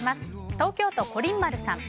東京都の方。